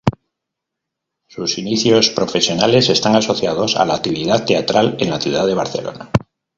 Sus inicios profesionales están asociados a la actividad teatral en la ciudad de Barcelona.